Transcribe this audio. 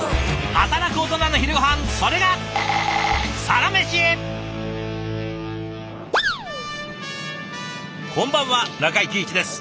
働くオトナの昼ごはんそれがこんばんは中井貴一です。